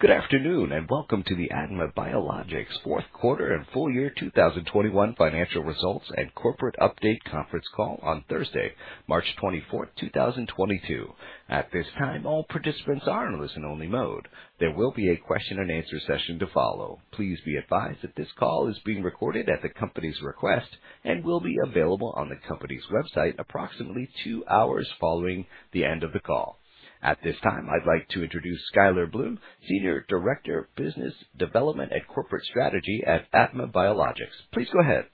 Good afternoon, and welcome to the ADMA Biologics fourth quarter and full year 2021 financial results and corporate update conference call on Thursday, March 24th, 2022. At this time, all participants are in listen only mode. There will be a question and answer session to follow. Please be advised that this call is being recorded at the company's request and will be available on the company's website approximately two hours following the end of the call. At this time, I'd like to introduce Skyler Bloom, Senior Director of Business Development and Corporate Strategy at ADMA Biologics. Please go ahead.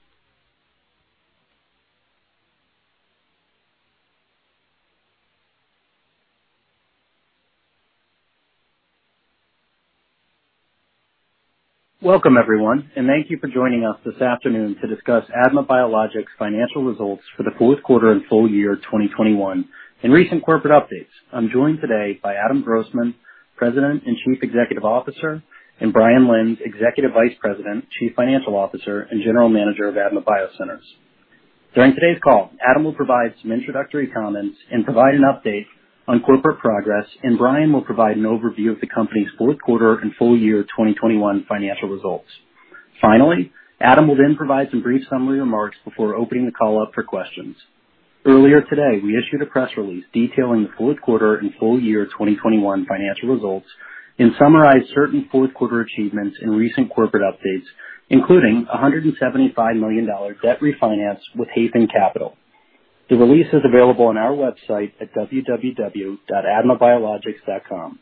Welcome, everyone, and thank you for joining us this afternoon to discuss ADMA Biologics' financial results for the fourth quarter and full year 2021 and recent corporate updates. I'm joined today by Adam Grossman, President and Chief Executive Officer, and Brian Lenz, Executive Vice President, Chief Financial Officer, and General Manager of ADMA BioCenters. During today's call, Adam will provide some introductory comments and provide an update on corporate progress, and Brian will provide an overview of the company's fourth quarter and full year 2021 financial results. Finally, Adam will then provide some brief summary remarks before opening the call up for questions. Earlier today, we issued a press release detailing the fourth quarter and full year 2021 financial results and summarized certain fourth quarter achievements and recent corporate updates, including a $175 million debt refinance with Hayfin Capital. The release is available on our website at www.admabiologics.com.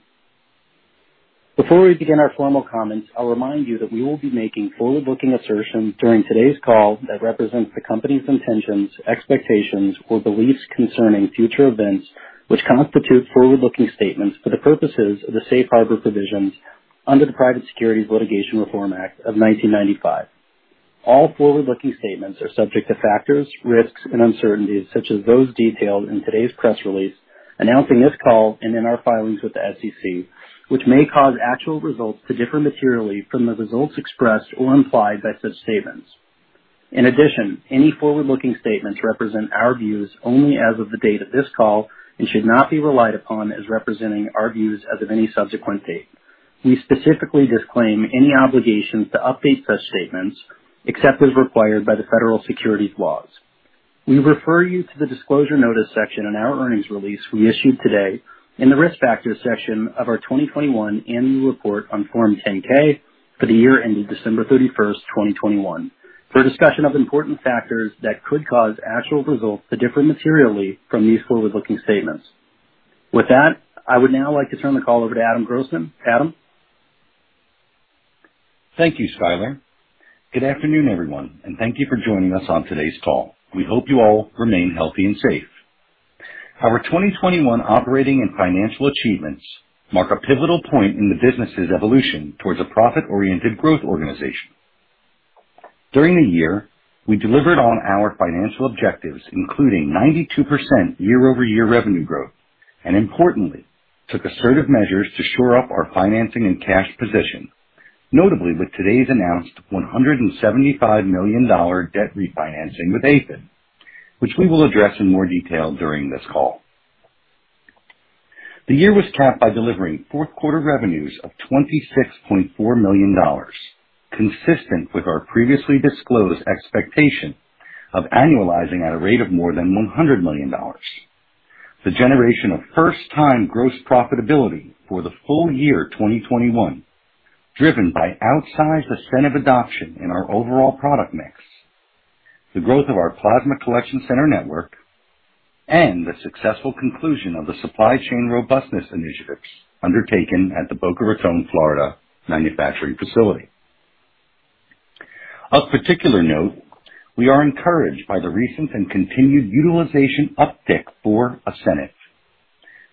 Before we begin our formal comments, I'll remind you that we will be making forward-looking assertions during today's call that represents the company's intentions, expectations or beliefs concerning future events, which constitute forward-looking statements for the purposes of the safe harbor provisions under the Private Securities Litigation Reform Act of 1995. All forward-looking statements are subject to factors, risks and uncertainties, such as those detailed in today's press release announcing this call and in our filings with the SEC, which may cause actual results to differ materially from the results expressed or implied by such statements. In addition, any forward-looking statements represent our views only as of the date of this call and should not be relied upon as representing our views as of any subsequent date. We specifically disclaim any obligations to update such statements, except as required by the federal securities laws. We refer you to the Disclosure Notice section in our earnings release we issued today in the Risk Factors section of our 2021 annual report on Form 10-K for the year ended December 31st, 2021 for a discussion of important factors that could cause actual results to differ materially from these forward-looking statements. With that, I would now like to turn the call over to Adam Grossman. Adam? Thank you, Skyler. Good afternoon, everyone, and thank you for joining us on today's call. We hope you all remain healthy and safe. Our 2021 operating and financial achievements mark a pivotal point in the business' evolution towards a profit-oriented growth organization. During the year, we delivered on our financial objectives, including 92% year-over-year revenue growth and importantly, took assertive measures to shore up our financing and cash position, notably with today's announced $175 million debt refinancing with Hayfin, which we will address in more detail during this call. The year was capped by delivering fourth quarter revenues of $26.4 million, consistent with our previously disclosed expectation of annualizing at a rate of more than $100 million. The generation of first time gross profitability for the full year 2021, driven by outsized ASCENIV adoption in our overall product mix, the growth of our plasma collection center network and the successful conclusion of the supply chain robustness initiatives undertaken at the Boca Raton, Florida manufacturing facility. Of particular note, we are encouraged by the recent and continued utilization uptick for ASCENIV.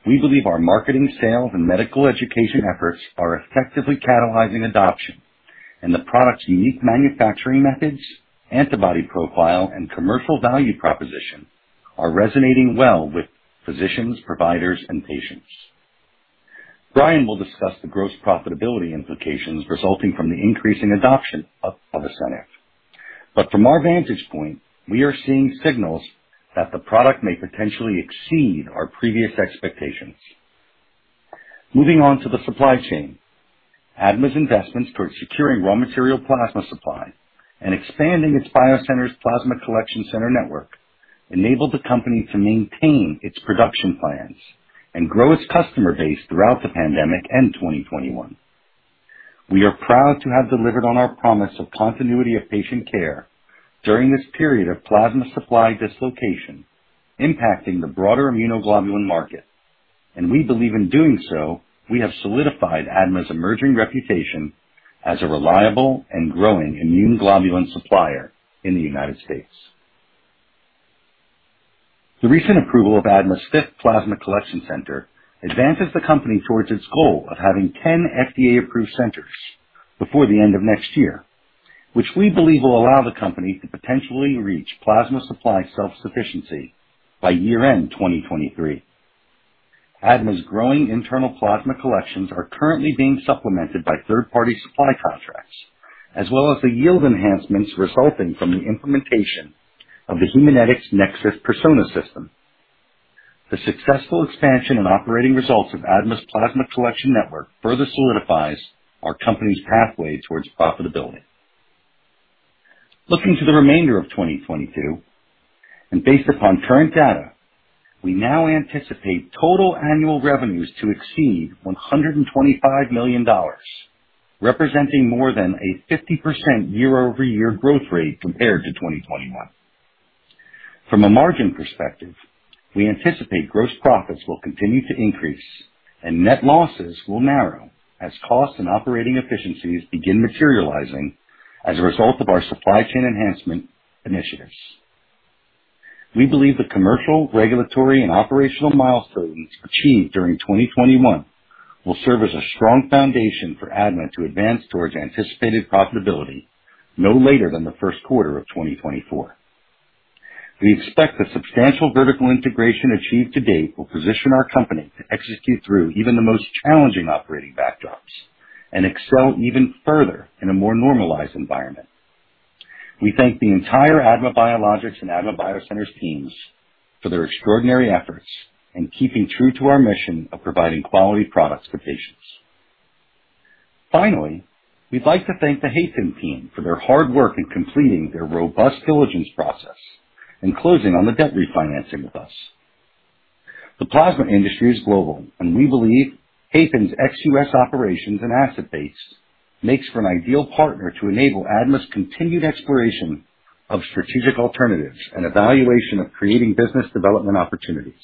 We believe our marketing, sales and medical education efforts are effectively catalyzing adoption and the product's unique manufacturing methods, antibody profile and commercial value proposition are resonating well with physicians, providers and patients. Brian will discuss the gross profitability implications resulting from the increasing adoption of ASCENIV. From our vantage point, we are seeing signals that the product may potentially exceed our previous expectations. Moving on to the supply chain. ADMA's investments towards securing raw material plasma supply and expanding its BioCenters plasma collection center network enabled the company to maintain its production plans and grow its customer base throughout the pandemic and 2021. We are proud to have delivered on our promise of continuity of patient care during this period of plasma supply dislocation impacting the broader immunoglobulin market. We believe in doing so, we have solidified ADMA's emerging reputation as a reliable and growing immune globulin supplier in the United States. The recent approval of ADMA's fifth plasma collection center advances the company towards its goal of having 10 FDA-approved centers before the end of next year, which we believe will allow the company to potentially reach plasma supply self-sufficiency by year-end 2023. ADMA's growing internal plasma collections are currently being supplemented by third-party supply contracts, as well as the yield enhancements resulting from the implementation of the Haemonetics NexSys PCS with Persona technology. The successful expansion and operating results of ADMA's plasma collection network further solidifies our company's pathway towards profitability. Looking to the remainder of 2022, and based upon current data, we now anticipate total annual revenues to exceed $125 million, representing more than a 50% year-over-year growth rate compared to 2021. From a margin perspective, we anticipate gross profits will continue to increase and net losses will narrow as costs and operating efficiencies begin materializing as a result of our supply chain enhancement initiatives. We believe the commercial, regulatory, and operational milestones achieved during 2021 will serve as a strong foundation for ADMA to advance towards anticipated profitability no later than the first quarter of 2024. We expect the substantial vertical integration achieved to date will position our company to execute through even the most challenging operating backdrops and excel even further in a more normalized environment. We thank the entire ADMA Biologics and ADMA BioCenters teams for their extraordinary efforts in keeping true to our mission of providing quality products for patients. Finally, we'd like to thank the Hayfin team for their hard work in completing their robust diligence process and closing on the debt refinancing with us. The plasma industry is global, and we believe Hayfin's ex-US operations and asset base makes for an ideal partner to enable ADMA's continued exploration of strategic alternatives and evaluation of creating business development opportunities.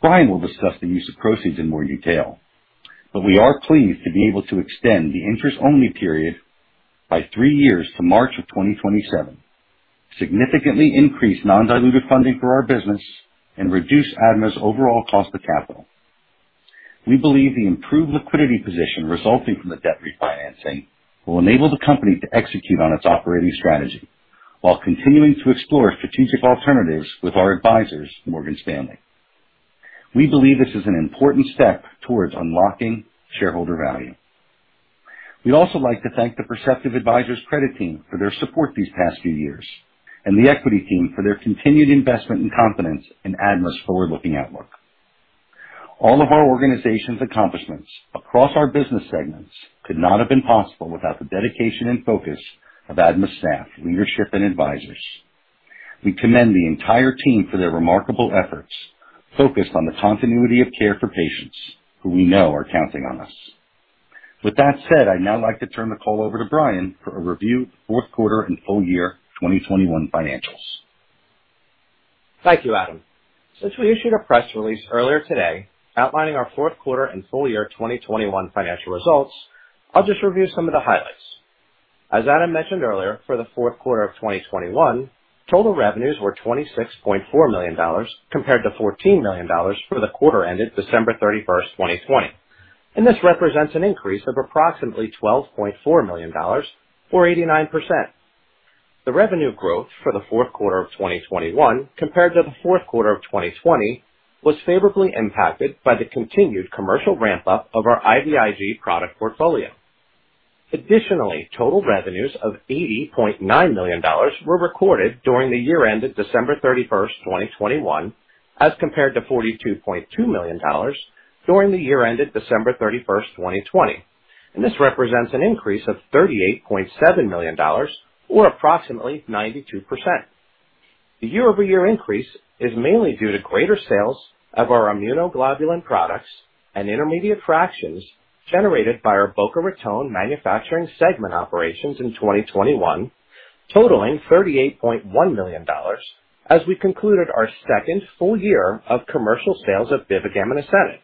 Brian will discuss the use of proceeds in more detail, but we are pleased to be able to extend the interest-only period by three years to March of 2027, significantly increase non-diluted funding for our business, and reduce ADMA's overall cost of capital. We believe the improved liquidity position resulting from the debt refinancing will enable the company to execute on its operating strategy while continuing to explore strategic alternatives with our advisors, Morgan Stanley. We believe this is an important step towards unlocking shareholder value. We'd also like to thank the Perceptive Advisors credit team for their support these past few years and the equity team for their continued investment and confidence in ADMA's forward-looking outlook. All of our organization's accomplishments across our business segments could not have been possible without the dedication and focus of ADMA staff, leadership, and advisors. We commend the entire team for their remarkable efforts focused on the continuity of care for patients who we know are counting on us. With that said, I'd now like to turn the call over to Brian for a review of fourth quarter and full year 2021 financials. Thank you, Adam. Since we issued a press release earlier today outlining our fourth quarter and full year 2021 financial results, I'll just review some of the highlights. As Adam mentioned earlier, for the fourth quarter of 2021, total revenues were $26.4 million, compared to $14 million for the quarter ended December 31st, 2020, and this represents an increase of approximately $12.4 million or 89%. The revenue growth for the fourth quarter of 2021 compared to the fourth quarter of 2020 was favorably impacted by the continued commercial ramp-up of our IVIG product portfolio. Additionally, total revenues of $80.9 million were recorded during the year ended December 31st, 2021, as compared to $42.2 million during the year ended December 31st, 2020, and this represents an increase of $38.7 million or approximately 92%. The year-over-year increase is mainly due to greater sales of our immunoglobulin products and intermediate fractions generated by our Boca Raton manufacturing segment operations in 2021, totaling $38.1 million as we concluded our second full year of commercial sales of BIVIGAM and ASCENIV.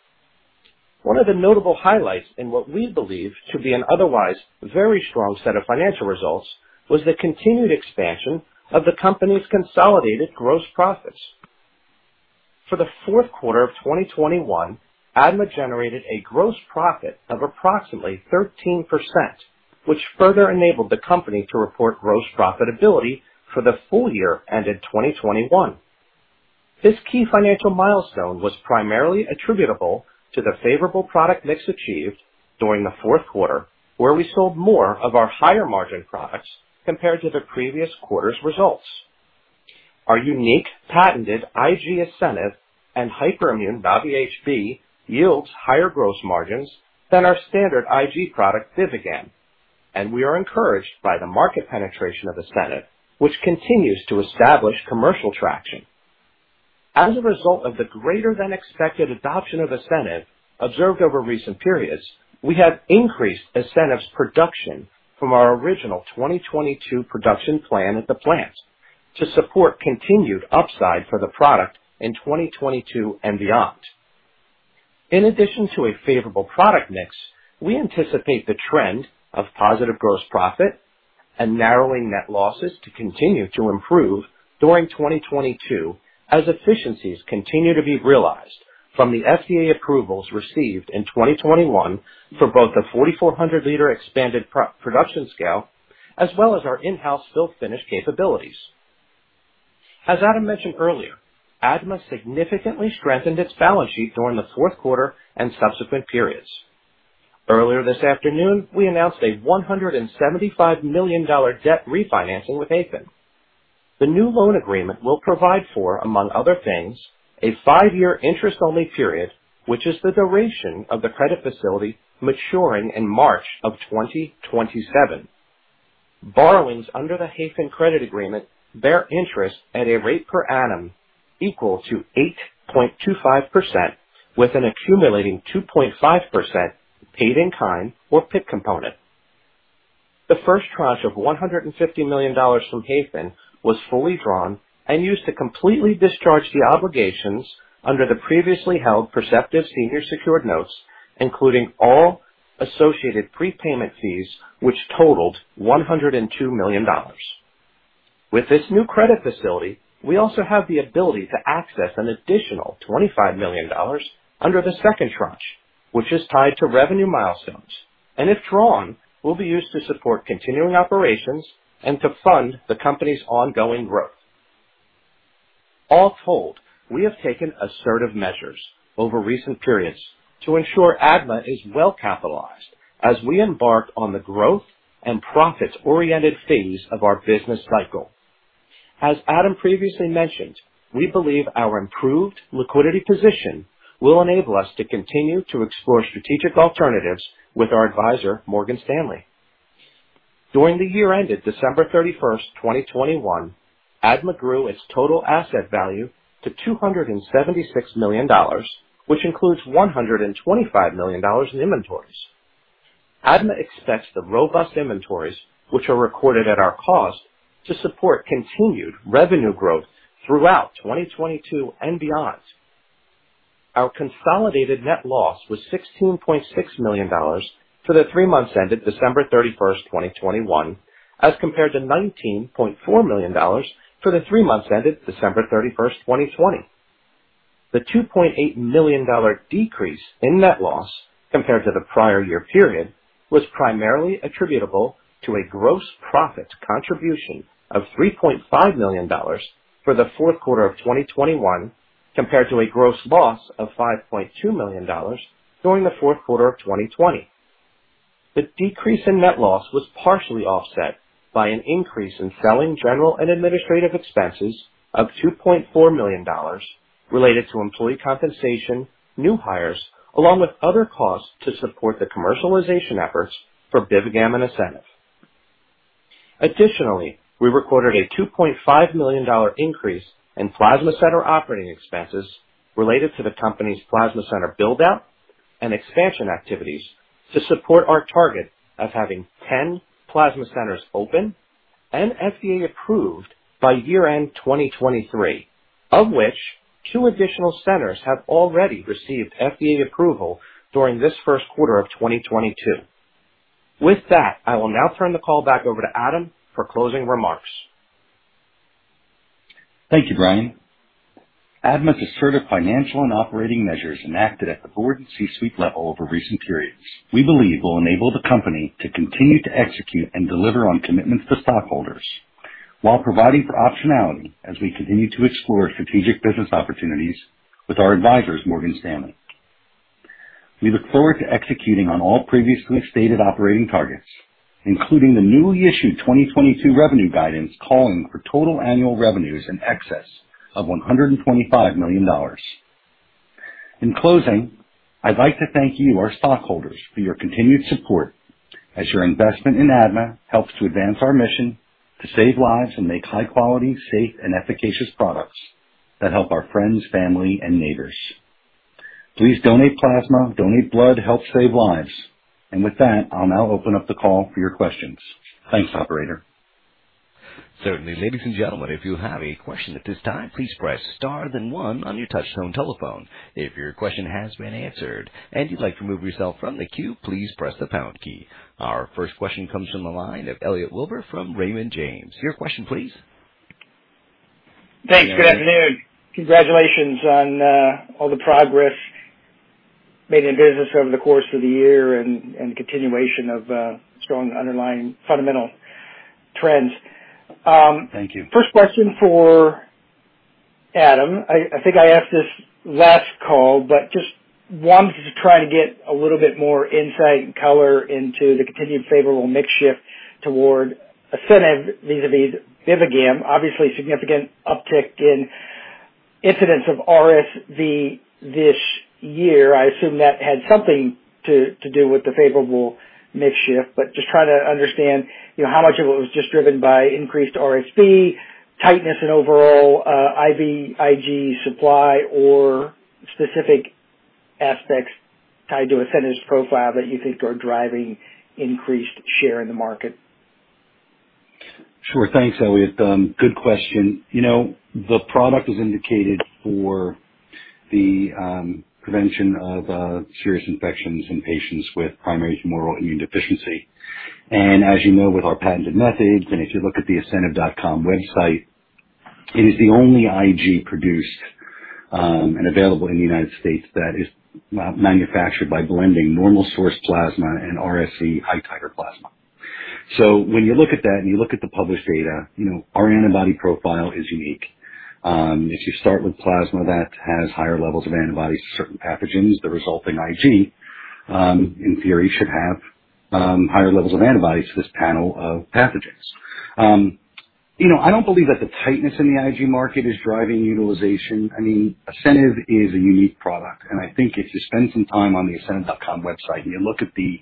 One of the notable highlights in what we believe to be an otherwise very strong set of financial results was the continued expansion of the company's consolidated gross profits. For the fourth quarter of 2021, ADMA generated a gross profit of approximately 13%, which further enabled the company to report gross profitability for the full year ended 2021. This key financial milestone was primarily attributable to the favorable product mix achieved during the fourth quarter, where we sold more of our higher-margin products compared to the previous quarter's results. Our unique patented IG, ASCENIV, and Hyperimmune, Nabi-HB, yields higher gross margins than our standard IG product, BIVIGAM. We are encouraged by the market penetration of ASCENIV, which continues to establish commercial traction. As a result of the greater than expected adoption of ASCENIV observed over recent periods, we have increased ASCENIV's production from our original 2022 production plan at the plant to support continued upside for the product in 2022 and beyond. In addition to a favorable product mix, we anticipate the trend of positive gross profit and narrowing net losses to continue to improve during 2022 as efficiencies continue to be realized from the FDA approvals received in 2021 for both the 4,400-liter expanded pre-production scale as well as our in-house fill finish capabilities. As Adam mentioned earlier, ADMA significantly strengthened its balance sheet during the fourth quarter and subsequent periods. Earlier this afternoon, we announced a $175 million debt refinancing with Hayfin. The new loan agreement will provide for, among other things, a five-year interest-only period, which is the duration of the credit facility maturing in March 2027. Borrowings under the Hayfin credit agreement bear interest at a rate per annum equal to 8.25% with an accumulating 2.5% paid in kind or PIK component. The first tranche of $150 million from Hayfin was fully drawn and used to completely discharge the obligations under the previously held Perceptive senior secured notes, including all associated prepayment fees, which totaled $102 million. With this new credit facility, we also have the ability to access an additional $25 million under the second tranche, which is tied to revenue milestones, and if drawn, will be used to support continuing operations and to fund the company's ongoing growth. All told, we have taken assertive measures over recent periods to ensure ADMA is well-capitalized as we embark on the growth and profits-oriented phase of our business cycle. As Adam previously mentioned, we believe our improved liquidity position will enable us to continue to explore strategic alternatives with our advisor, Morgan Stanley. During the year ended December 31st, 2021, ADMA grew its total asset value to $276 million, which includes $125 million in inventories. ADMA expects the robust inventories, which are recorded at our cost, to support continued revenue growth throughout 2022 and beyond. Our consolidated net loss was $16.6 million for the three months ended December 31st, 2021, as compared to $19.4 million for the three months ended December 31st, 2020. The $2.8 million decrease in net loss compared to the prior year period was primarily attributable to a gross profit contribution of $3.5 million for the fourth quarter of 2021, compared to a gross loss of $5.2 million during the fourth quarter of 2020. The decrease in net loss was partially offset by an increase in selling general and administrative expenses of $2.4 million related to employee compensation, new hires, along with other costs to support the commercialization efforts for BIVIGAM and ASCENIV. Additionally, we recorded a $2.5 million increase in plasma center operating expenses related to the company's plasma center build-out and expansion activities to support our target of having 10 plasma centers open and FDA approved by year-end 2023, of which two additional centers have already received FDA approval during this first quarter of 2022. With that, I will now turn the call back over to Adam for closing remarks. Thank you, Brian. ADMA's assertive financial and operating measures enacted at the board and C-suite level over recent periods, we believe, will enable the company to continue to execute and deliver on commitments to stockholders while providing for optionality as we continue to explore strategic business opportunities with our advisors, Morgan Stanley. We look forward to executing on all previously stated operating targets, including the newly issued 2022 revenue guidance, calling for total annual revenues in excess of $125 million. In closing, I'd like to thank you, our stockholders, for your continued support as your investment in ADMA helps to advance our mission to save lives and make high quality, safe, and efficacious products that help our friends, family and neighbors. Please donate plasma, donate blood, help save lives. With that, I'll now open up the call for your questions. Thanks, operator. Certainly. Ladies and gentlemen, if you have a question at this time, please press Star then One on your touchtone telephone. If your question has been answered and you'd like to remove yourself from the queue, please press the Pound key. Our first question comes from the line of Elliot Wilbur from Raymond James. Your question, please. Thanks. Good afternoon. Congratulations on all the progress made in business over the course of the year and continuation of strong underlying fundamental trends. Thank you. First question for Adam. I think I asked this last call, but just wanted to try to get a little bit more insight and color into the continued favorable mix shift toward ASCENIV vis-a-vis BIVIGAM. Obviously, a significant uptick in incidence of RSV this year. I assume that had something to do with the favorable mix shift. But just trying to understand, you know, how much of it was just driven by increased RSV tightness in overall IVIG supply or specific aspects tied to ASCENIV's profile that you think are driving increased share in the market. Sure. Thanks, Elliot. Good question. You know, the product is indicated for the prevention of serious infections in patients with primary humoral immunodeficiency. As you know, with our patented methods, and if you look at the asceniv.com website, it is the only IG produced and available in the United States that is manufactured by blending normal source plasma and RSV high titer plasma. When you look at that and you look at the published data, you know, our antibody profile is unique. If you start with plasma that has higher levels of antibodies to certain pathogens, the resulting IG, in theory, should have higher levels of antibodies to this panel of pathogens. You know, I don't believe that the tightness in the IG market is driving utilization. I mean, ASCENIV is a unique product, and I think if you spend some time on the asceniv.com website and you look at the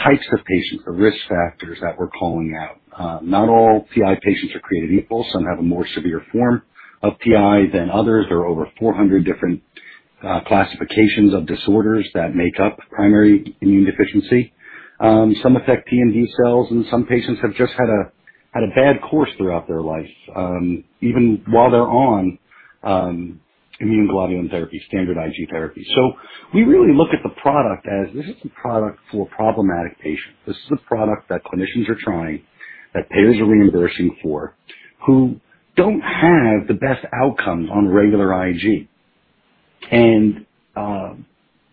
types of patients, the risk factors that we're calling out, not all PI patients are created equal. Some have a more severe form of PI than others. There are over 400 different classifications of disorders that make up primary immune deficiency. Some affect PND cells, and some patients have just had a bad course throughout their life, even while they're on immune globulin therapy, standard IG therapy. We really look at the product as this is a product for problematic patients. This is a product that clinicians are trying, that payers are reimbursing for, who don't have the best outcomes on regular IG.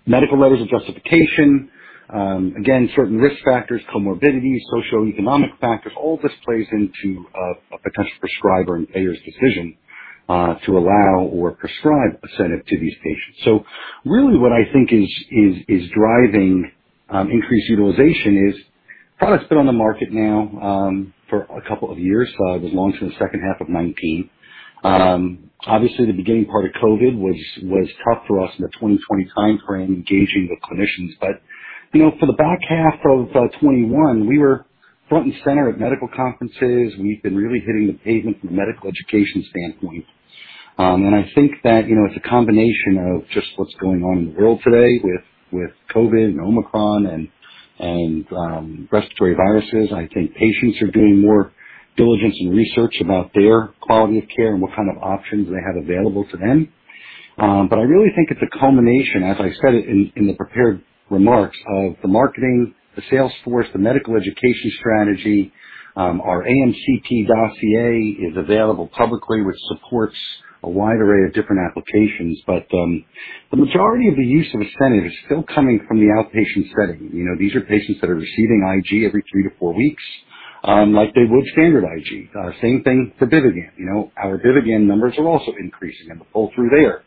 Medical letters of justification, again, certain risk factors, comorbidities, socioeconomic factors, all this plays into a potential prescriber and payer's decision to allow or prescribe ASCENIV to these patients. Really what I think is driving increased utilization is the product's been on the market now for a couple of years. It was launched in the second half of 2019. Obviously the beginning part of COVID was tough for us in the 2020 timeframe, engaging with clinicians. You know, for the back half of 2021, we were front and center at medical conferences. We've been really hitting the pavement from a medical education standpoint. I think that, you know, it's a combination of just what's going on in the world today with COVID and Omicron and respiratory viruses. I think patients are doing more diligence and research about their quality of care and what kind of options they have available to them. I really think it's a combination, as I said in the prepared remarks of the marketing, the sales force, the medical education strategy. Our AMCP dossier is available publicly, which supports a wide array of different applications. The majority of the use of ASCENIV is still coming from the outpatient setting. You know, these are patients that are receiving IG every three to four weeks, like they would standard IG. Same thing for BIVIGAM. You know, our BIVIGAM numbers are also increasing, and the pull-through there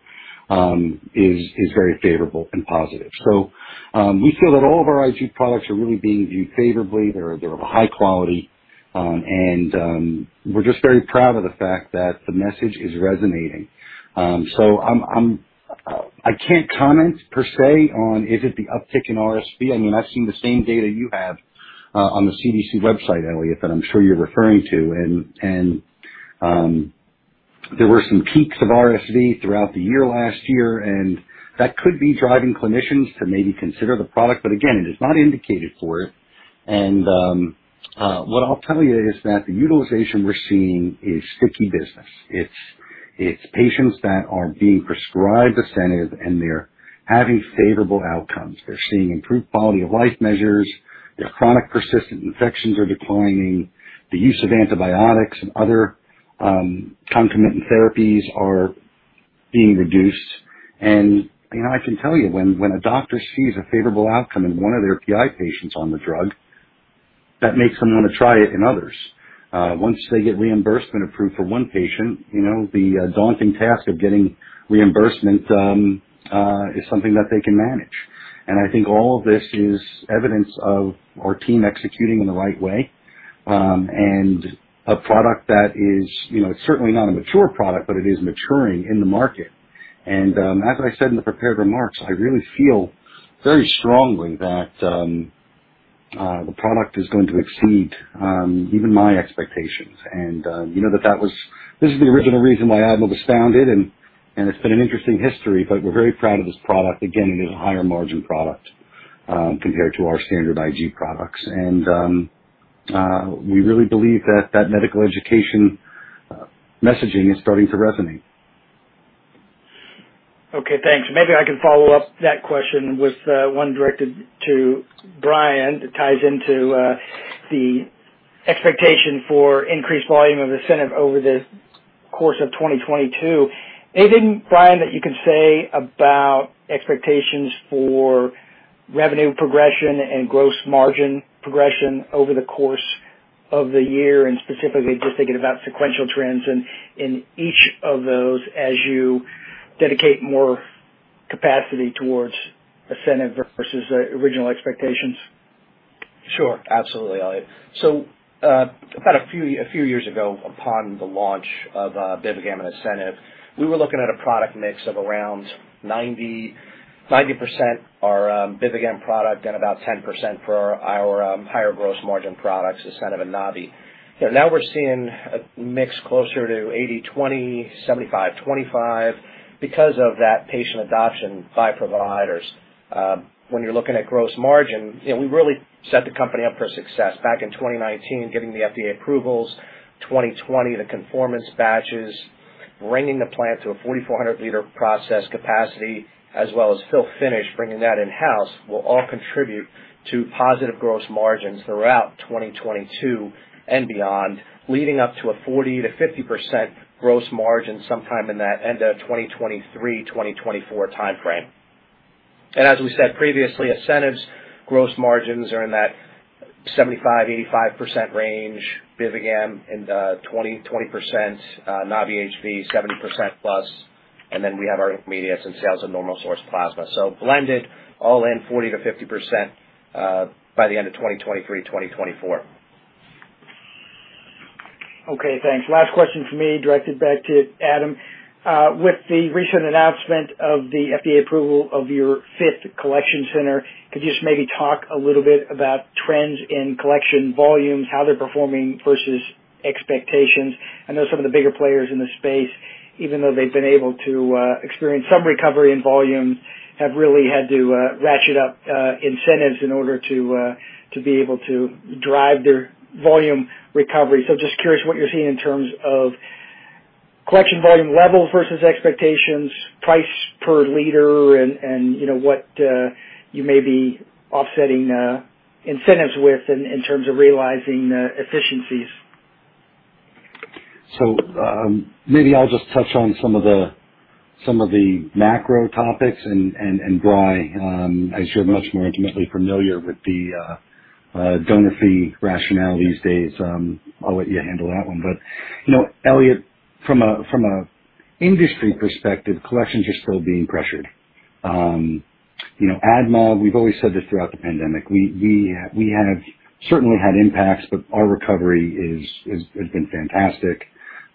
is very favorable and positive. We feel that all of our IG products are really being viewed favorably. They're of a high quality. We're just very proud of the fact that the message is resonating. I can't comment per se on is it the uptick in RSV? I mean, I've seen the same data you have on the CDC website, Elliot, that I'm sure you're referring to. There were some peaks of RSV throughout the year-last-year, and that could be driving clinicians to maybe consider the product, but again, it is not indicated for it. What I'll tell you is that the utilization we're seeing is sticky business. It's patients that are being prescribed ASCENIV, and they're having favorable outcomes. They're seeing improved quality-of-life measures. Their chronic persistent infections are declining. The use of antibiotics and other concomitant therapies are being reduced. You know, I can tell you when a doctor sees a favorable outcome in one of their PI patients on the drug, that makes them want to try it in others. Once they get reimbursement approved for one patient, you know, the daunting task of getting reimbursement is something that they can manage. I think all of this is evidence of our team executing in the right way, and a product that is, you know, it's certainly not a mature product, but it is maturing in the market. As I said in the prepared remarks, I really feel very strongly that the product is going to exceed even my expectations. you know this is the original reason why ADMA was founded and it's been an interesting history, but we're very proud of this product. Again, it is a higher margin product compared to our standard IG products. we really believe that medical education messaging is starting to resonate. Okay, thanks. Maybe I can follow up that question with one directed to Brian. It ties into the expectation for increased volume of ASCENIV over the course of 2022. Anything, Brian, that you can say about expectations for revenue progression and gross margin progression over the course of the year and specifically just thinking about sequential trends in each of those as you dedicate more capacity towards ASCENIV versus original expectations? Sure. Absolutely, Elliot. About a few years ago upon the launch of BIVIGAM and ASCENIV, we were looking at a product mix of around 90% our BIVIGAM product and about 10% for our higher gross margin products, ASCENIV and Nabi-HB. You know, now we're seeing a mix closer to 80/20, 75/25 because of that patient adoption by providers. When you're looking at gross margin, you know, we really set the company up for success back in 2019, getting the FDA approvals. 2020, the conformance batches, bringing the plant to a 4,400-liter process capacity as well as fill finish, bringing that in-house will all contribute to positive gross margins throughout 2022 and beyond, leading up to a 40%-50% gross margin sometime in that end of 2023-2024 timeframe. As we said previously, ASCENIV's gross margins are in that 75%-85% range, BIVIGAM in 20%-25%, Nabi-HB 70% plus, and then we have our intermediates and sales of normal source plasma. Blended all in 40%-50% by the end of 2023, 2024. Okay, thanks. Last question for me, directed back to Adam. With the recent announcement of the FDA approval of your fifth collection center, could you just maybe talk a little bit about trends in collection volumes, how they're performing versus expectations? I know some of the bigger players in the space, even though they've been able to experience some recovery in volume, have really had to ratchet up incentives in order to be able to drive their volume recovery. So just curious what you're seeing in terms of collection volume level versus expectations, price per liter and you know, what you may be offsetting incentives with in terms of realizing efficiencies. Maybe I'll just touch on some of the macro topics and Brian, I'm sure much more intimately familiar with the donor fee rationale these days. I'll let you handle that one. You know, Elliot, from an industry perspective, collections are still being pressured. You know, ADMA, we've always said this throughout the pandemic, we have certainly had impacts, but our recovery has been fantastic.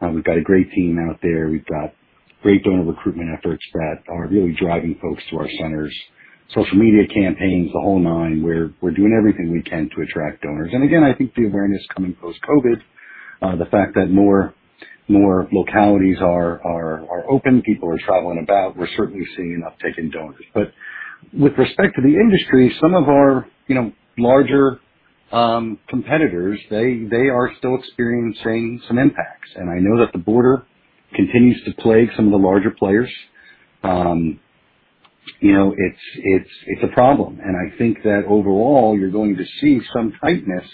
We've got a great team out there. We've got great donor recruitment efforts that are really driving folks to our centers, social media campaigns, the whole nine. We're doing everything we can to attract donors. Again, I think the awareness coming post COVID, the fact that more localities are open, people are traveling about, we're certainly seeing an uptick in donors. With respect to the industry, some of our, you know, larger competitors, they are still experiencing some impacts. I know that the border continues to plague some of the larger players. You know, it's a problem. I think that overall you're going to see some tightness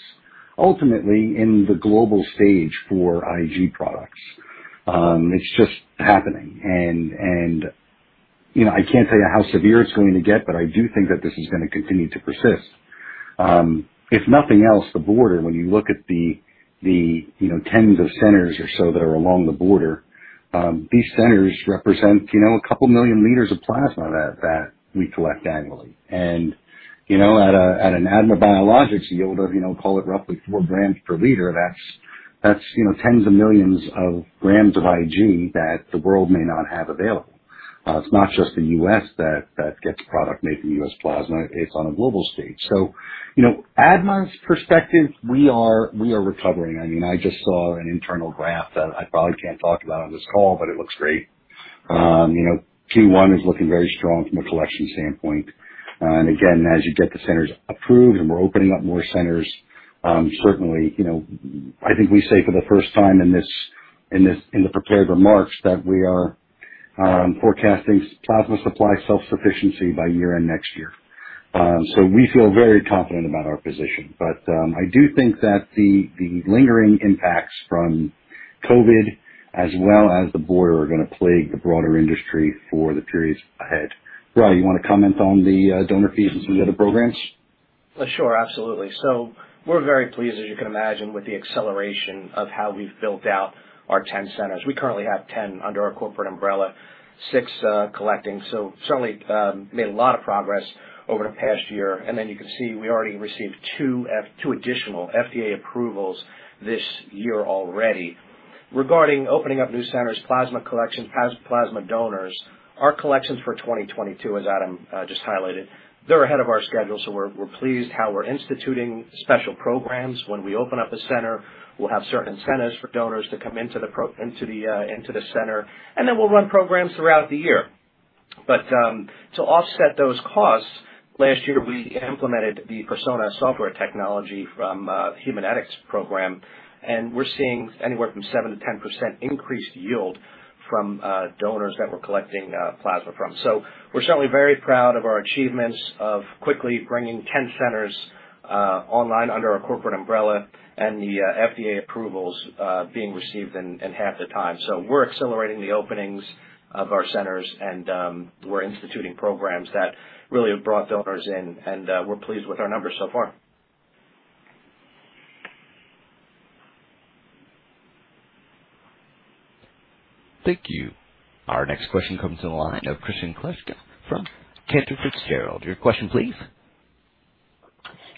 ultimately in the global stage for IG products. It's just happening. You know, I can't say how severe it's going to get, but I do think that this is gonna continue to persist. If nothing else, the border, when you look at the tens of centers or so that are along the border, these centers represent, you know, 2 million liters of plasma that we collect annually. You know, at an ADMA Biologics yield of, you know, call it roughly 4 g per L, that's tens of millions of grams of IG that the world may not have available. It's not just the U.S. that gets product made from U.S. plasma. It's on a global stage. You know, from ADMA's perspective, we are recovering. I mean, I just saw an internal graph that I probably can't talk about on this call, but it looks great. You know, Q1 is looking very strong from a collection standpoint. As you get the centers approved and we're opening up more centers, certainly, you know, I think we say for the first time in the prepared remarks that we are forecasting plasma supply self-sufficiency by year-end next year. So we feel very confident about our position. I do think that the lingering impacts from COVID as well as the border are gonna plague the broader industry for the periods ahead. Brian, you wanna comment on the donor fees and some of the other programs? Sure, absolutely. We're very pleased, as you can imagine, with the acceleration of how we've built out our 10 centers. We currently have 10 under our corporate umbrella, 6 collecting. Certainly made a lot of progress over the past year. Then you can see we already received 2 additional FDA approvals this year already. Regarding opening up new centers, plasma collection, plasma donors, our collections for 2022, as Adam just highlighted, they're ahead of our schedule, so we're pleased how we're instituting special programs. When we open up a center, we'll have certain incentives for donors to come into the center, and then we'll run programs throughout the year. To offset those costs, last year we implemented the Persona software technology from Haemonetics program, and we're seeing anywhere from 7%-10% increased yield from donors that we're collecting plasma from. We're certainly very proud of our achievements of quickly bringing 10 centers online under our corporate umbrella and the FDA approvals being received in half the time. We're accelerating the openings of our centers and we're instituting programs that really have brought donors in and we're pleased with our numbers so far. Thank you. Our next question comes from the line of Kristen Kluska from Cantor Fitzgerald. Your question please.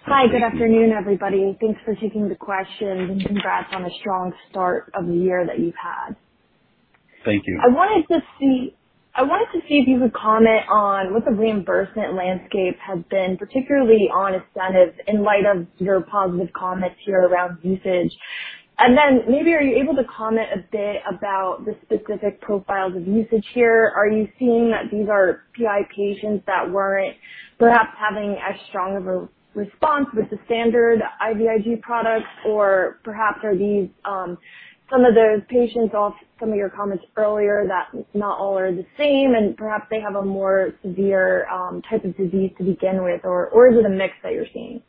Hi, good afternoon, everybody. Thanks for taking the questions and congrats on the strong start of the year that you've had. Thank you. I wanted to see if you could comment on what the reimbursement landscape has been, particularly on incentives, in light of your positive comments here around usage. Then maybe, are you able to comment a bit about the specific profiles of usage here? Are you seeing that these are PI patients that weren't perhaps having as strong of a response with the standard IVIG products? Or perhaps are these some of those patients based off some of your comments earlier that not all are the same and perhaps they have a more severe type of disease to begin with? Or is it a mix that you're seeing?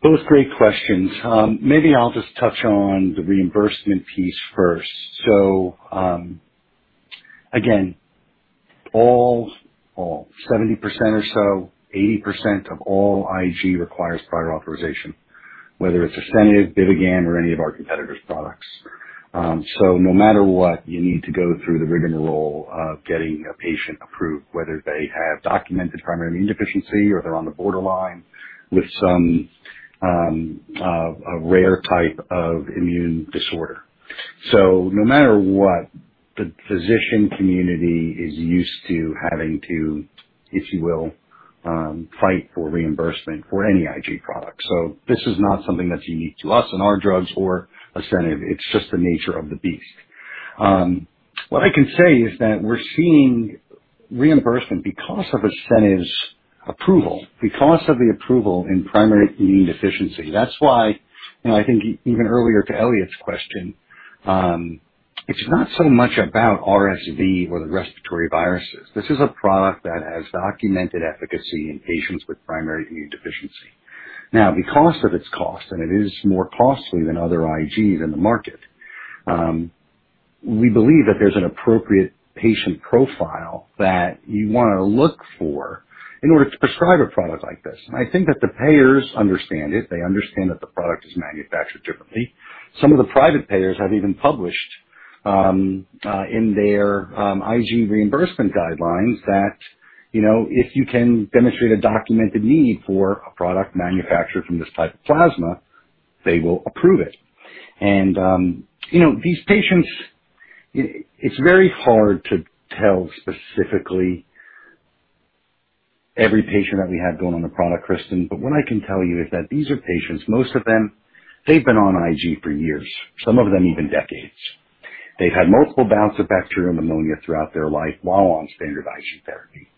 Both great questions. Maybe I'll just touch on the reimbursement piece first. Again, all 70% or so, 80% of all IG requires prior authorization, whether it's ASCENIV, BIVIGAM or any of our competitors' products. No matter what, you need to go through the rigmarole of getting a patient approved, whether they have documented primary immune deficiency or they're on the borderline with some a rare type of immune disorder. No matter what, the physician community is used to having to, if you will, fight for reimbursement for any IG product. This is not something that's unique to us and our drugs or ASCENIV. It's just the nature of the beast. What I can say is that we're seeing reimbursement because of ASCENIV's approval, because of the approval in primary immune deficiency. That's why, you know, I think even earlier to Elliot's question, it's not so much about RSV or the respiratory viruses. This is a product that has documented efficacy in patients with primary immune deficiency. Now, because of its cost, and it is more costly than other IGs in the market, we believe that there's an appropriate patient profile that you wanna look for in order to prescribe a product like this. I think that the payers understand it. They understand that the product is manufactured differently. Some of the private payers have even published in their IG reimbursement guidelines that, you know, if you can demonstrate a documented need for a product manufactured from this type of plasma, they will approve it. You know, these patients, it's very hard to tell specifically every patient that we have going on the product, Kristen, but what I can tell you is that these are patients, most of them, they've been on IG for years, some of them even decades. They've had multiple bouts of bacterial pneumonia throughout their life while on standard IG therapy.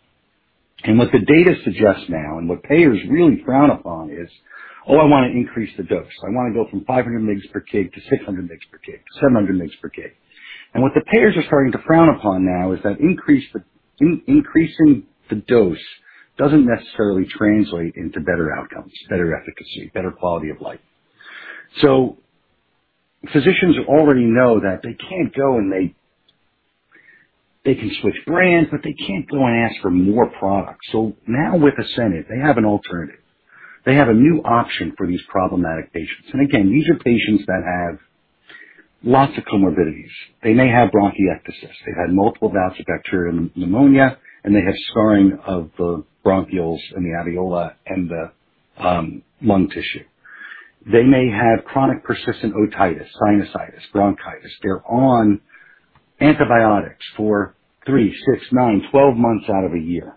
What the data suggests now and what payers really frown upon is, "Oh, I wanna increase the dose. I wanna go from 500 mg per kg to 600 mg per kg to 700 mg per kg." What the payers are starting to frown upon now is that increasing the dose doesn't necessarily translate into better outcomes, better efficacy, better quality of life. Physicians already know that they can't go and they can switch brands, but they can't go and ask for more product. Now with ASCENIV, they have an alternative. They have a new option for these problematic patients. Again, these are patients that have lots of comorbidities. They may have bronchiectasis. They've had multiple bouts of bacterial pneumonia, and they have scarring of the bronchioles and the alveoli and the lung tissue. They may have chronic persistent otitis, sinusitis, bronchitis. They're on antibiotics for 3, 6, 9, 12 months out of a year.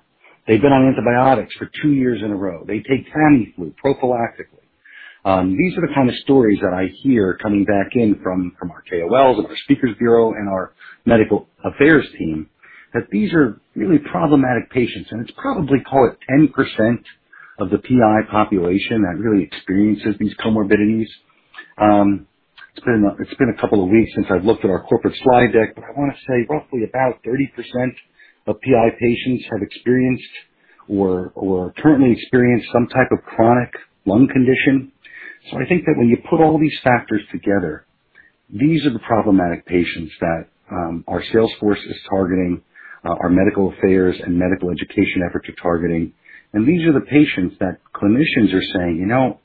They've been on antibiotics for 2 years in a row. They take Tamiflu prophylactically. These are the kind of stories that I hear coming back in from our KOLs and our speakers bureau and our medical affairs team, that these are really problematic patients. It's probably, call it 10% of the PI population that really experiences these comorbidities. It's been a couple of weeks since I've looked at our corporate slide deck, but I wanna say roughly about 30% of PI patients have experienced or currently experience some type of chronic lung condition. I think that when you put all these factors together, these are the problematic patients that our sales force is targeting, our medical affairs and medical education efforts are targeting. These are the patients that clinicians are saying, "You know,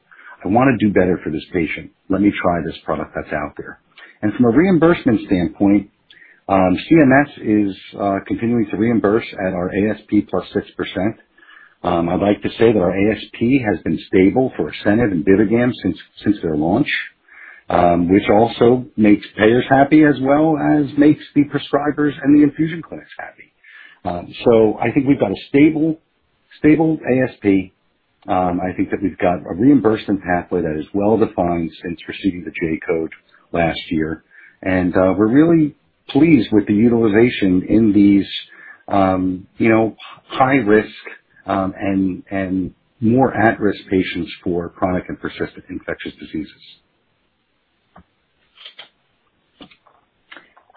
I wanna do better for this patient. Let me try this product that's out there." From a reimbursement standpoint, CMS is continuing to reimburse at our ASP plus 6%. I'd like to say that our ASP has been stable for ASCENIV and BIVIGAM since their launch, which also makes payers happy as well as makes the prescribers and the infusion clinics happy. I think we've got a stable ASP. I think that we've got a reimbursement pathway that is well-defined since receiving the J-code last year. We're really pleased with the utilization in these, you know, high risk and more at-risk patients for chronic and persistent infectious diseases.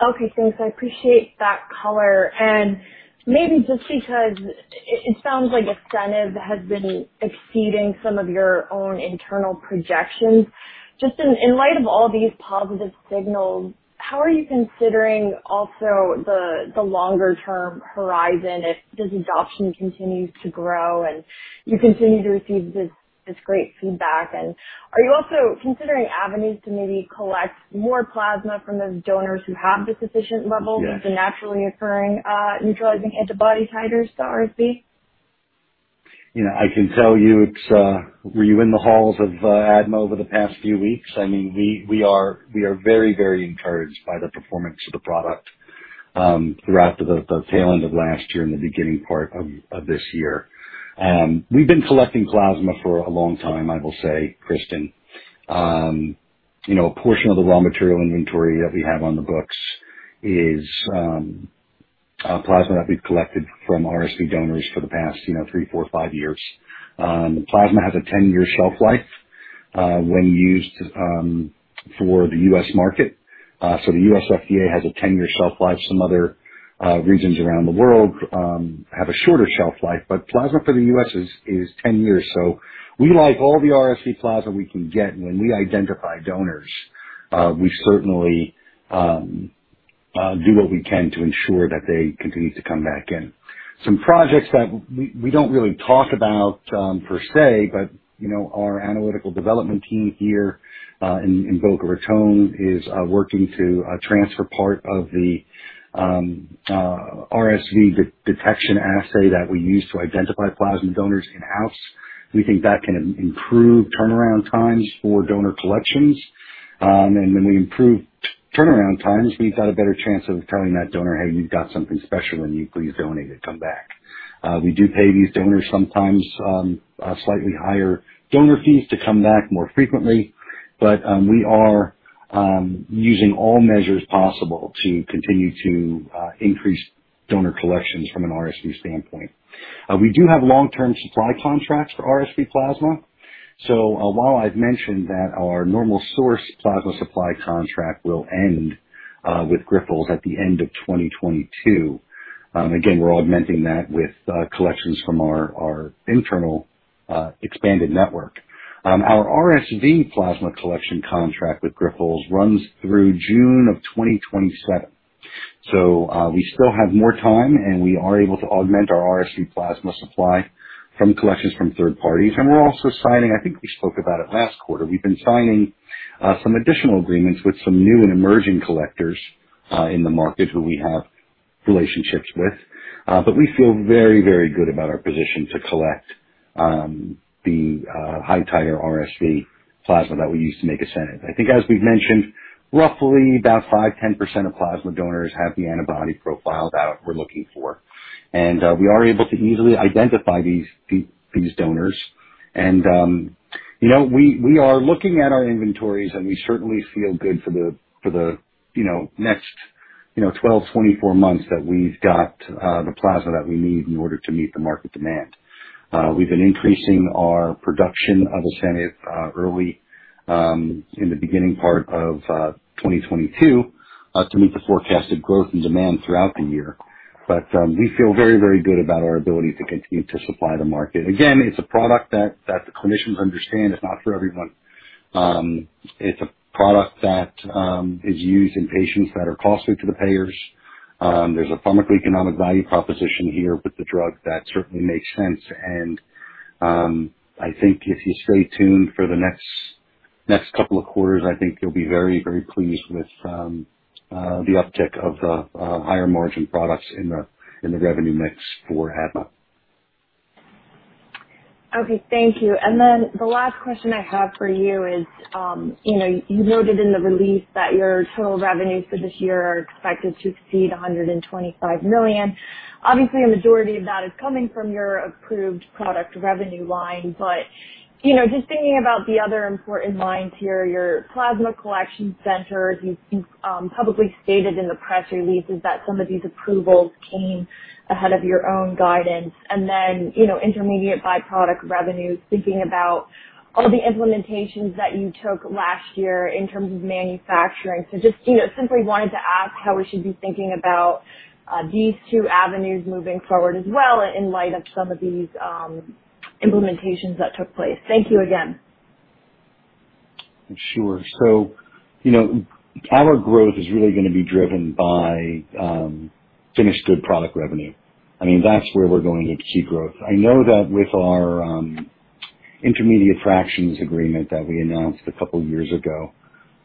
Okay, thanks. I appreciate that color. Maybe just because it sounds like ASCENIV has been exceeding some of your own internal projections. Just in light of all these positive signals, how are you considering also the longer term horizon if this adoption continues to grow and you continue to receive this great feedback? Are you also considering avenues to maybe collect more plasma from those donors who have the sufficient levels? Yes. with the naturally occurring, neutralizing antibody titers to RSV? You know, I can tell you it's. Were you in the halls of ADMA over the past few weeks? I mean, we are very encouraged by the performance of the product throughout the tail end of last year and the beginning part of this year. We've been collecting plasma for a long time, I will say, Kristen. You know, a portion of the raw material inventory that we have on the books is plasma that we've collected from RSV donors for the past three, four, five years. The plasma has a 10 year shelf life when used for the U.S. market. So the U.S. FDA has a 10 year shelf life. Some other regions around the world have a shorter shelf life, but plasma for the U.S. is 10 years. We like all the RSV plasma we can get. When we identify donors, we certainly do what we can to ensure that they continue to come back in. Some projects that we don't really talk about per se, but you know, our analytical development team here in Boca Raton is working to transfer part of the RSV detection assay that we use to identify plasma donors in-house. We think that can improve turnaround times for donor collections. When we improve turnaround times, we've got a better chance of telling that donor, "Hey, you've got something special, and you please donate it. Come back." We do pay these donors sometimes slightly higher donor fees to come back more frequently. We are using all measures possible to continue to increase donor collections from an RSV standpoint. We do have long-term supply contracts for RSV plasma. While I've mentioned that our normal source plasma supply contract will end with Grifols at the end of 2022, again, we're augmenting that with collections from our internal expanded network. Our RSV plasma collection contract with Grifols runs through June of 2027. We still have more time, and we are able to augment our RSV plasma supply from collections from third parties. We're also signing, I think we spoke about it last quarter, we've been signing some additional agreements with some new and emerging collectors in the market who we have relationships with. We feel very, very good about our position to collect the high titer RSV plasma that we use to make ASCENIV. I think as we've mentioned, roughly 5%-10% of plasma donors have the antibody profile that we're looking for, and we are able to easily identify these donors. You know, we are looking at our inventories, and we certainly feel good for the next 12-24 months that we've got the plasma that we need in order to meet the market demand. We've been increasing our production of ASCENIV early in the beginning part of 2022 to meet the forecasted growth and demand throughout the year. We feel very, very good about our ability to continue to supply the market. Again, it's a product that the clinicians understand it's not for everyone. It's a product that is used in patients that are costly to the payers. There's a pharmacoeconomic value proposition here with the drug that certainly makes sense. I think if you stay tuned for the next couple of quarters, I think you'll be very pleased with the uptick of the higher margin products in the revenue mix for ADMA. Okay. Thank you. The last question I have for you is, you know, you noted in the release that your total revenues for this year are expected to exceed $125 million. Obviously, a majority of that is coming from your approved product revenue line. You know, just thinking about the other important lines here, your plasma collection centers, you've publicly stated in the press releases that some of these approvals came ahead of your own guidance. You know, intermediate by-product revenues, thinking about all the implementations that you took last year in terms of manufacturing. Just, you know, simply wanted to ask how we should be thinking about these two avenues moving forward as well in light of some of these implementations that took place. Thank you again. Sure. You know, our growth is really gonna be driven by finished good product revenue. I mean, that's where we're going to see growth. I know that with our intermediate fractions agreement that we announced a couple years ago,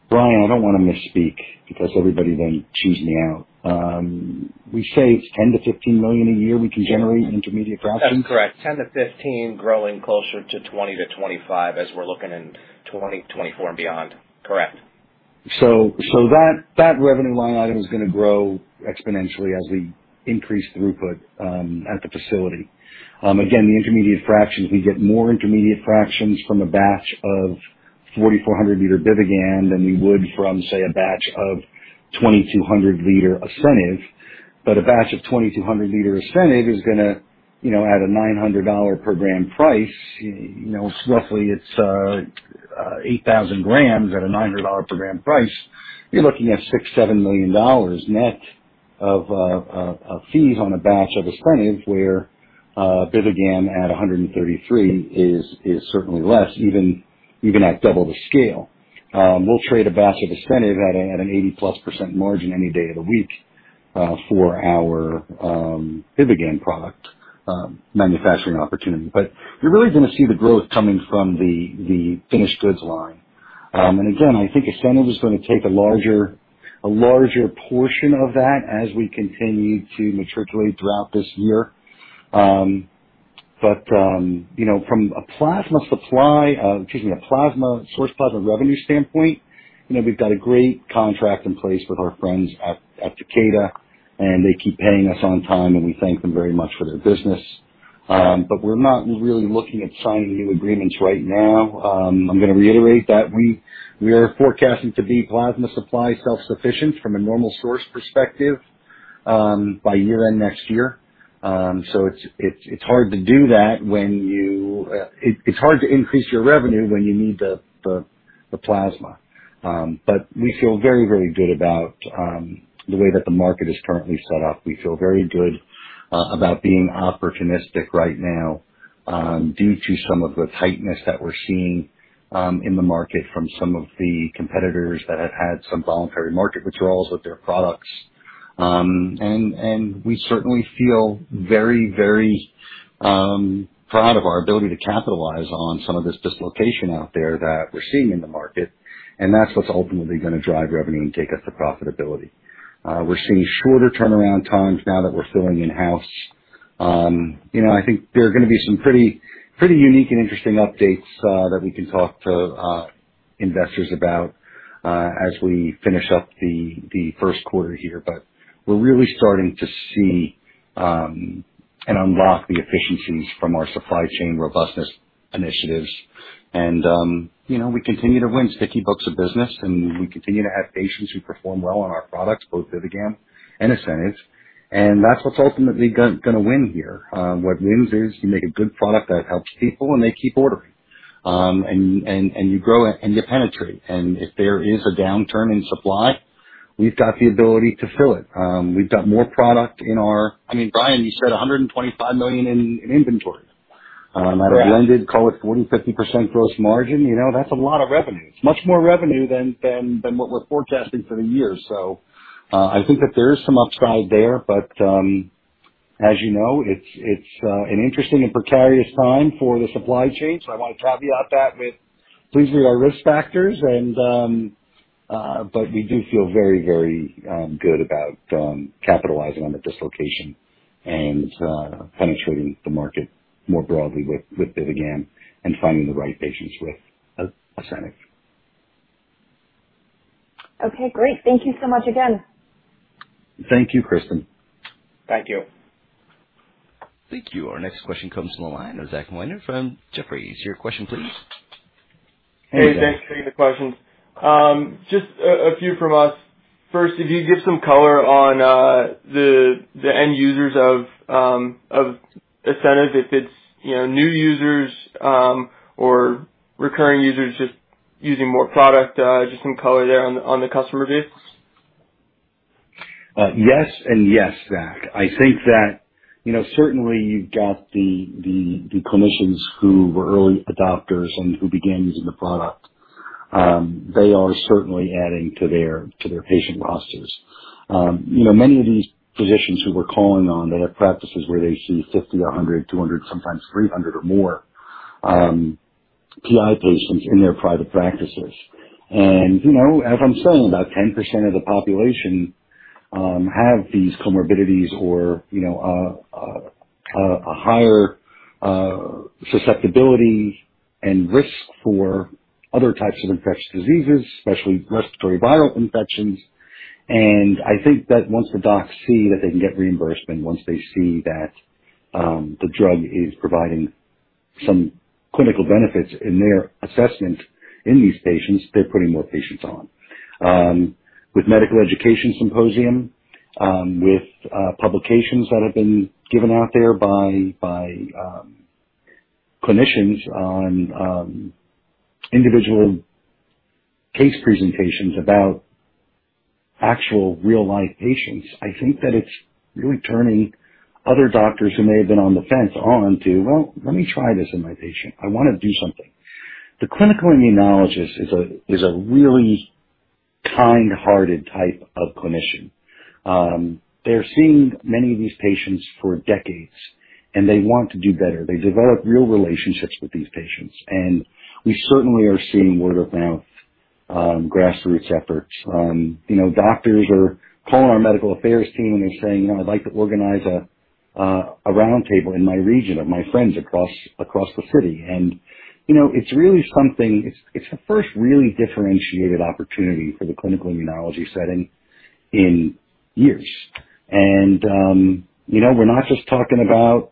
Brian, I don't wanna misspeak because everybody then chews me out. We say it's $10 million-$15 million a year we can generate in intermediate fractions. That's correct. 10%-15%, growing closer to 20%-25% as we're looking in 2024 and beyond. Correct. That revenue line item is gonna grow exponentially as we increase throughput at the facility. Again, the intermediate fractions, we get more intermediate fractions from a batch of 4,400-liter BIVIGAM than we would from, say, a batch of 2,200-liter ASCENIV. A batch of 2,200-liter ASCENIV is gonna, you know, at a $900 per gram price, you know, roughly it's 8,000 grams at a $900 per gram price. You're looking at $6-$7 million net of a fees on a batch of ASCENIV, where BIVIGAM at a $133 is certainly less even at double the scale. We'll trade a batch of ASCENIV at an 80%+ margin any day of the week for our BIVIGAM product manufacturing opportunity. You're really gonna see the growth coming from the finished goods line. I think ASCENIV is gonna take a larger portion of that as we continue to matriculate throughout this year. You know, from a source plasma revenue standpoint, you know, we've got a great contract in place with our friends at Takeda, and they keep paying us on time, and we thank them very much for their business. We're not really looking at signing new agreements right now. I'm gonna reiterate that we are forecasting to be plasma supply self-sufficient from a normal source perspective, by year-end next year. It's hard to do that when it's hard to increase your revenue when you need the plasma. We feel very good about the way that the market is currently set up. We feel very good about being opportunistic right now, due to some of the tightness that we're seeing, in the market from some of the competitors that have had some voluntary market withdrawals with their products. We certainly feel very proud of our ability to capitalize on some of this dislocation out there that we're seeing in the market. That's what's ultimately gonna drive revenue and take us to profitability. We're seeing shorter turnaround times now that we're filling in-house. You know, I think there are gonna be some pretty unique and interesting updates that we can talk to investors about as we finish up the first quarter here. We're really starting to see and unlock the efficiencies from our supply chain robustness initiatives. You know, we continue to win sticky books of business, and we continue to have patients who perform well on our products, both BIVIGAM and ASCENIV. That's what's ultimately gonna win here. What wins is you make a good product that helps people, and they keep ordering. You grow it, and you penetrate. If there is a downturn in supply, we've got the ability to fill it. We've got more product in our I mean, Brian, you said $125 million in inventory. At a blended, call it 40%-50% gross margin. You know, that's a lot of revenue. It's much more revenue than what we're forecasting for the year. I think that there is some upside there, but as you know, it's an interesting and precarious time for the supply chain. I want to caveat that with please read our risk factors, but we do feel very good about capitalizing on the dislocation and penetrating the market more broadly with BIVIGAM and finding the right patients with ASCENIV. Okay, great. Thank you so much again. Thank you, Kristen. Thank you. Thank you. Our next question comes from the line of Zachary Terry from Jefferies. Your question please. Hey, thanks for taking the questions. Just a few from us. First, if you could give some color on the end users of ASCENIV, if it's, you know, new users or recurring users just using more product, just some color there on the customer base? Yes and yes, Zach. I think that, you know, certainly you've got the clinicians who were early adopters and who began using the product. They are certainly adding to their patient rosters. You know, many of these physicians who we're calling on, they have practices where they see 50, 100, 200, sometimes 300 or more PI patients in their private practices. You know, as I'm saying, about 10% of the population have these comorbidities or, you know, a higher susceptibility and risk for other types of infectious diseases, especially respiratory viral infections. I think that once the docs see that they can get reimbursement, once they see that the drug is providing some clinical benefits in their assessment in these patients, they're putting more patients on. With medical education symposium with publications that have been given out there by clinicians on individual case presentations about actual real-life patients. I think that it's really turning other doctors who may have been on the fence on to, "Well, let me try this in my patient. I wanna do something." The clinical immunologist is a really kind-hearted type of clinician. They're seeing many of these patients for decades, and they want to do better. They develop real relationships with these patients, and we certainly are seeing word of mouth grassroots efforts. You know, doctors are calling our medical affairs team, and they're saying, "You know, I'd like to organize a roundtable in my region of my friends across the city." You know, it's really something. It's the first really differentiated opportunity for the clinical immunology setting in years. You know, we're not just talking about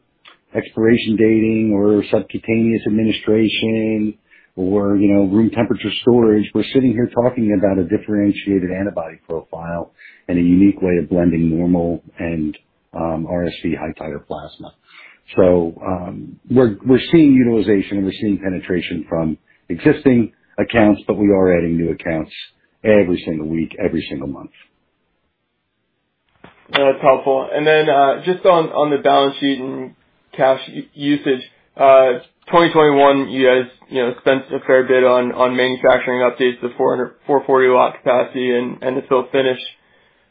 expiration dating or subcutaneous administration or, you know, room temperature storage. We're sitting here talking about a differentiated antibody profile and a unique way of blending normal and RSV high titer plasma. We're seeing utilization and we're seeing penetration from existing accounts, but we are adding new accounts every single week, every single month. That's helpful. Just on the balance sheet and cash usage. In 2021, you guys, you know, spent a fair bit on manufacturing updates to 440 lot capacity and it's still finished.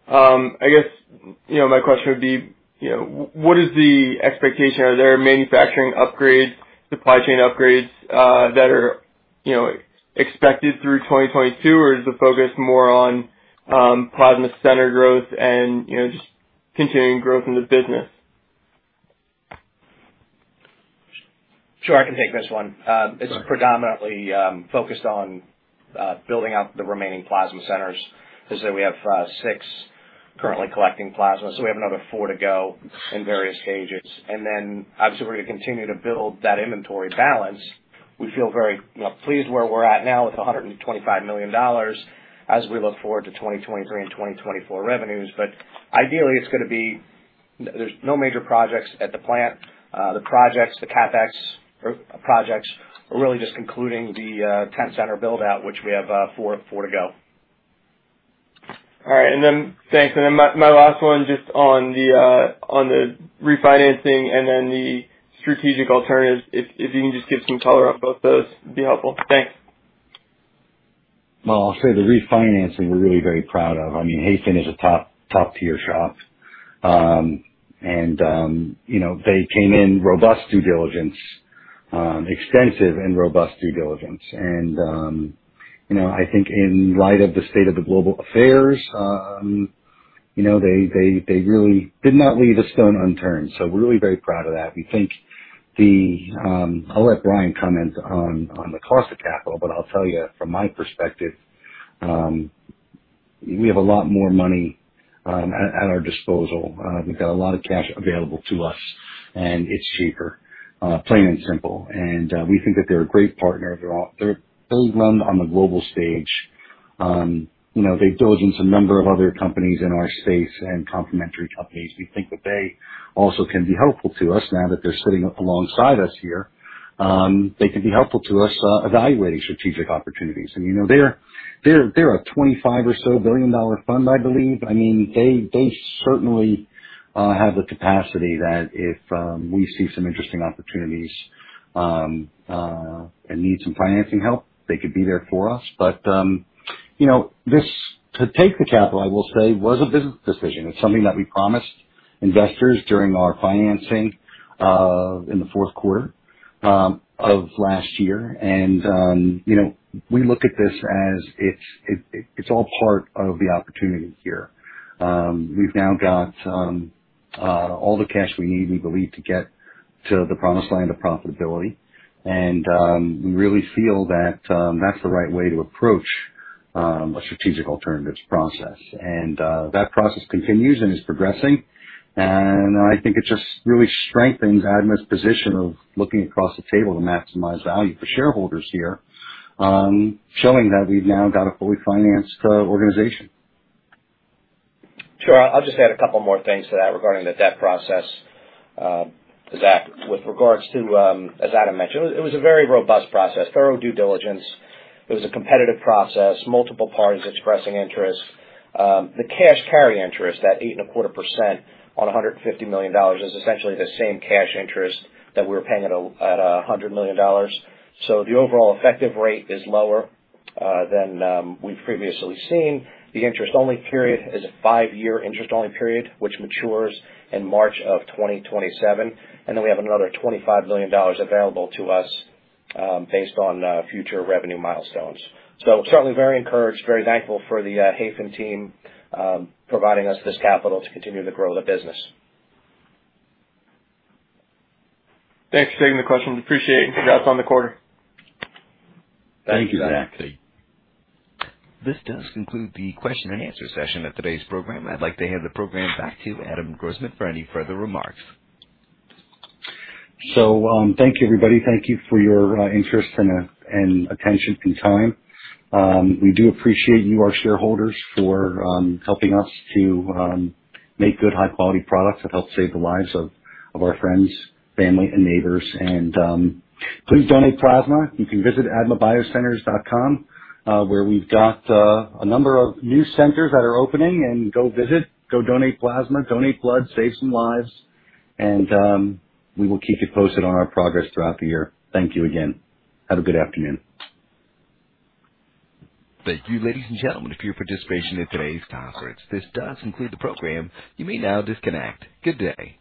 I guess, you know, my question would be, you know, what is the expectation? Are there manufacturing upgrades, supply chain upgrades that are, you know, expected through 2022? Or is the focus more on plasma center growth and, you know, just continuing growth in the business? Sure, I can take this one. It's predominantly focused on building out the remaining plasma centers. As I said, we have 6 currently collecting plasma, so we have another 4 to go in various stages. Obviously, we're gonna continue to build that inventory balance. We feel very, you know, pleased where we're at now with $125 million as we look forward to 2023 and 2024 revenues. Ideally, it's gonna be. There's no major projects at the plant. The projects, the CapEx or projects are really just concluding the 10-center build-out, which we have four to go. All right. Thanks. My last one just on the refinancing and then the strategic alternatives. If you can just give some color on both those, it'd be helpful. Thanks. Well, I'll say the refinancing we're really very proud of. I mean, Hayfin is a top-tier shop. You know, they came in robust due diligence, extensive and robust due diligence. You know, I think in light of the state of the global affairs, you know, they really did not leave a stone unturned, so we're really very proud of that. I'll let Brian comment on the cost of capital, but I'll tell you from my perspective, we have a lot more money at our disposal. We've got a lot of cash available to us, and it's cheaper, plain and simple. We think that they're a great partner. They're a big lender on the global stage. You know, they've diligenced a number of other companies in our space and complementary companies. We think that they also can be helpful to us now that they're sitting up alongside us here. They can be helpful to us evaluating strategic opportunities. You know, they're a $25 billion or so fund, I believe. I mean, they certainly have the capacity that if we see some interesting opportunities and need some financing help, they could be there for us. You know, this. To take the capital, I will say, was a business decision. It's something that we promised investors during our financing in the fourth quarter of last year. You know, we look at this as it's all part of the opportunity here. We've now got all the cash we need, we believe, to get to the promised land of profitability. We really feel that that's the right way to approach a strategic alternatives process. That process continues and is progressing. I think it just really strengthens ADMA's position of looking across the table to maximize value for shareholders here, showing that we've now got a fully financed organization. Sure. I'll just add a couple more things to that regarding the debt process, Zach. With regards to, as Adam mentioned, it was a very robust process, thorough due diligence. It was a competitive process, multiple parties expressing interest. The cash carry interest, that 8.25% on $150 million, is essentially the same cash interest that we were paying at a $100 million. The overall effective rate is lower than we've previously seen. The interest-only period is a five year interest-only period, which matures in March of 2027. We have another $25 million available to us, based on future revenue milestones. Certainly very encouraged, very thankful for the Hayfin team providing us this capital to continue to grow the business. Thanks for taking the questions. Appreciate it. Congrats on the quarter. Thank you, Zach. Thank you. This does conclude the question and answer session of today's program. I'd like to hand the program back to Adam Grossman for any further remarks. Thank you, everybody. Thank you for your interest and attention and time. We do appreciate you, our shareholders, for helping us to make good, high-quality products that help save the lives of our friends, family and neighbors. Please donate plasma. You can visit admabiocenters.com, where we've got a number of new centers that are opening and go visit. Go donate plasma, donate blood, save some lives. We will keep you posted on our progress throughout the year. Thank you again. Have a good afternoon. Thank you, ladies and gentlemen, for your participation in today's conference. This does conclude the program. You may now disconnect. Good day.